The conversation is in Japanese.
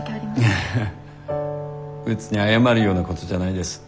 いえ別に謝るようなことじゃないです。